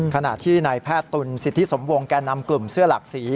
ขณะที่นายแพทย์ตุลสิทธิสมวงแก่นำกลุ่มเสื้อหลักสี